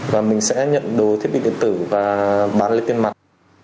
và mình sẽ nhận đồ thiết bị điện tử và bán lấy tiền mặt